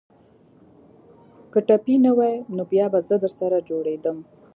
که ټپي نه واى نو بيا به زه درسره جوړېدم.